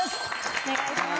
お願いします。